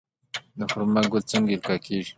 د خرما ګل څنګه القاح کیږي؟